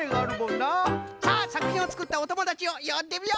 さあさくひんをつくったおともだちをよんでみよう！